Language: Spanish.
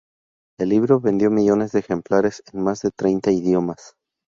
El libro vendió millones de ejemplares en más de treinta idiomas.